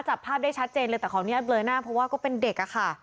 จับภาพได้ชัดเจนเลยแต่ขออนุญาตเบลอหน้าเพราะว่าก็เป็นเด็กอะค่ะ